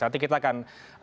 nanti kita akan